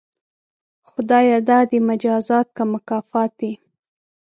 خدایه دا دې مجازات که مکافات دي؟